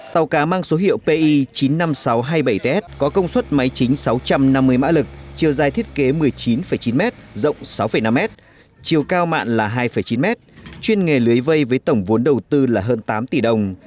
tàu cá mang số hiệu pi chín mươi năm nghìn sáu trăm hai mươi bảy ts có công suất máy chính sáu trăm năm mươi mã lực chiều dài thiết kế một mươi chín chín m rộng sáu năm m chiều cao mặn là hai chín m chuyên nghề lưới vây với tổng vốn đầu tư là hơn tám tỷ đồng